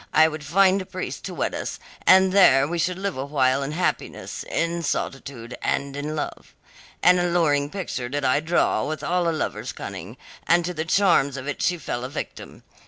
I would find a priest to wed us, and there we should live a while in happiness, in solitude, and in love. An alluring picture did I draw with all a lover's cunning, and to the charms of it she fell a victim.